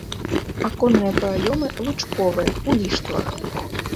Аконныя праёмы лучковыя, у ліштвах.